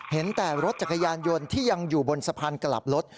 เห็นแต่รถจักรยานยนต์ที่ยังอยู่บนสะพานกลับรถ